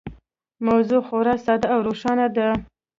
موضوع خورا ساده او روښانه ده.